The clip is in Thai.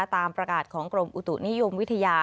ตามประกาศของกรมอุตุนิยมวิทยา